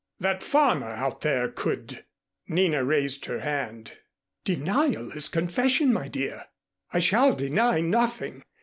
That farmer out there could " Nina raised her hand. "Denial is confession, my dear. I shall deny nothing.